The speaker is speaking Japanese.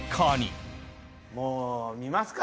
もう見ますか？